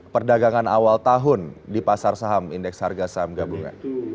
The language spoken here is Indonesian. perdagangan awal tahun di pasar saham indeks harga saham gabungan